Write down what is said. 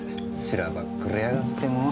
しらばっくれやがってもう。